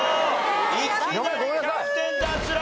いきなりキャプテン脱落！